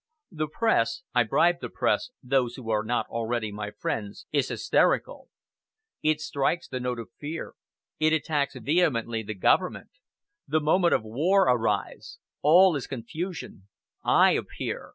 The Press I bribe the Press, those who are not already my friends is hysterical. It strikes the note of fear, it attacks vehemently the government. The moment of war arrives. All is confusion. I appear!